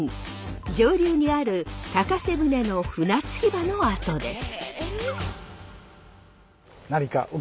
上流にある高瀬舟の船着き場の跡です。